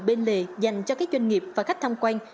bên lề dành cho các doanh nghiệp và khách tham quan